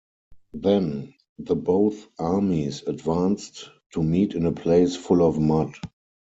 Then, the both armies advanced to meet in a place full of mud.